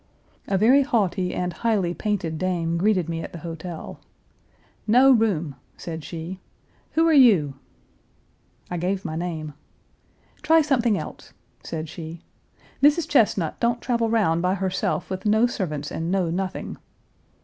A very haughty and highly painted dame greeted me at the hotel. "No room," said she. "Who are you?" I gave my name. "Try something else," said she. "Mrs. Chesnut don't travel round by herself with no servants and no nothing."